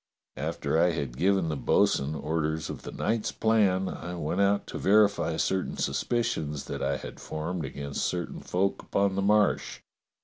After I had given the bo'sun orders of the night's plan I went out to verify certain suspicions that I had formed against certain folk upon the Marsh.